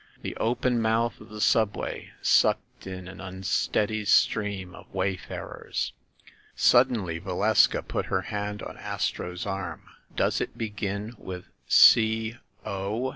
The open mouth of the subway sucked in an unsteady stream of wayfarers. Suddenly Valeska put her hand on Astro's arm. "Does it begin with 'C o'?"